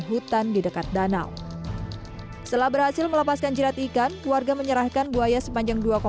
hutan di dekat danau setelah berhasil melepaskan jerat ikan warga menyerahkan buaya sepanjang